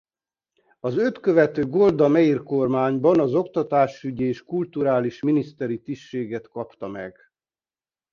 Az őt követő Golda Meir-kormányban az oktatásügyi és kulturális miniszteri tisztséget kapta meg.